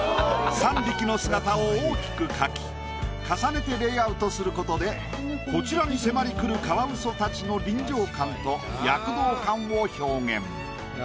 ３匹の姿を大きく描き重ねてレイアウトすることでこちらに迫りくるカワウソたちの臨場感と躍動感を表現。